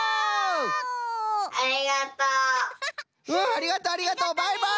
ありがとうありがとう！バイバイ！